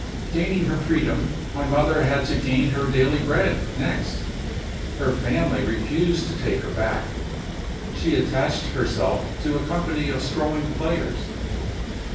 "Gaining her freedom, my mother had to gain her daily bread next. Her family refused to take her back. She attached herself to a company of strolling players.